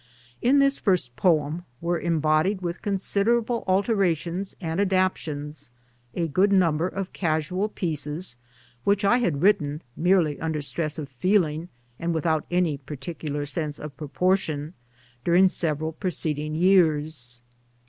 In this first poem were embodied with considerable altera tions and adaptations a good number of casual pieces, which I had written (merely under stress of feeling and without any particular sense of proportion) during several preceding years.